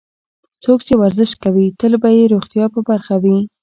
څوک چې ورزش کوي، تل به یې روغتیا په برخه وي.